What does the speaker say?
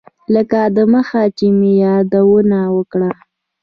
لکه دمخه چې مې یادونه وکړه.